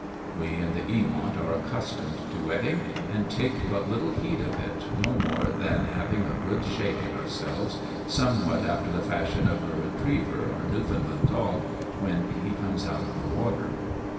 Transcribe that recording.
We in the Eaviont are accustomed to wetting, and take but little heed of it, no more than having a good shake at ourselves, somewhat after the fashion of a retriever or Newfoundland dog, when he comes out of the water.